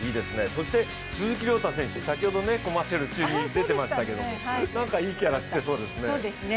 そして鈴木涼太選手、先ほど、ＣＭ中に言ってましたけどなんかいいキャラしてそうですね。